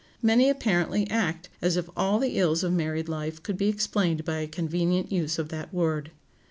Many apparently act as if all the ills of married life could be explained by a convenient use of that word.